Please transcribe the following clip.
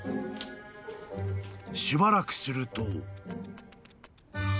［しばらくすると］